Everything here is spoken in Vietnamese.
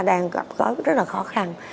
đang gặp rất là khó khăn